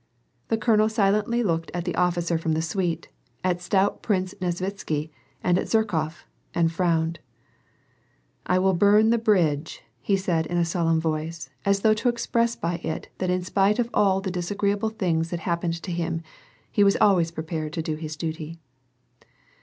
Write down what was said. The colonel silently looked at the officer from the suite, at stout Prince Nesvitsky, and at Zherkof, and f row nod. " I will bum the bridge," said he in a solemu voi(».e, a s though to express by it that in spite of all the disagreeable things that happened to him, he was always prepared to do his duty.